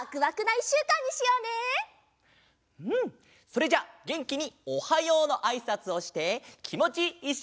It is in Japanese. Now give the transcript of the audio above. それじゃあげんきに「おはよう！」のあいさつをしてきもちいい